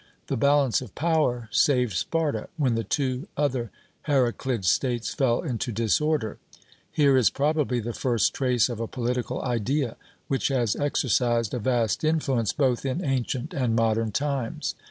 The balance of power saved Sparta, when the two other Heraclid states fell into disorder. Here is probably the first trace of a political idea, which has exercised a vast influence both in ancient and modern times.